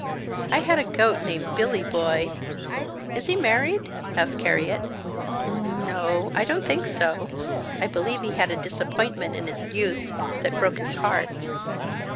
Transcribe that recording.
I had a goat named Billy Boy " "Is he married?" asked Harriet. "N no, I don't think so. I believe he had a disappointment in his youth, that broke his heart."